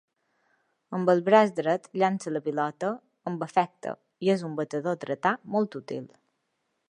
Amb el braç dret llança la pilota amb efecte i és un batedor dretà molt útil.